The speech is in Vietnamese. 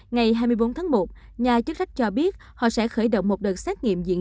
ngày hai mươi bốn tháng một nhà chức trách cho biết họ sẽ khởi động một đợt xét nghiệm diện